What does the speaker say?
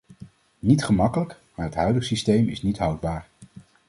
Niet gemakkelijk, maar het huidig systeem is niet houdbaar.